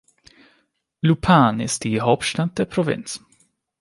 Lupane ist die Hauptstadt der Provinz.